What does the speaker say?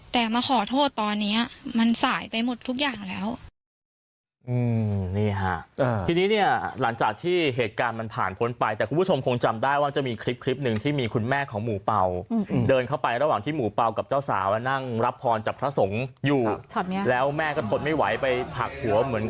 แต่มาขอโทษตอนนี้มันสายไปหมดทุกอย่างแล้ว